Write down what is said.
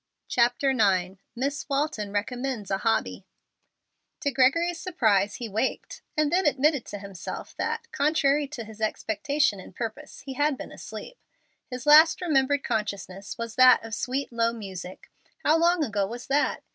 CHAPTER IX MISS WALTON RECOMMENDS A HOBBY To Gregory's surprise he waked and then admitted to himself that, contrary to his expectation and purpose, he had been asleep. His last remembered consciousness was that of sweet, low music; and how long ago was that?